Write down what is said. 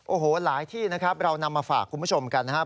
โอ้โหหลายที่นะครับเรานำมาฝากคุณผู้ชมกันนะครับ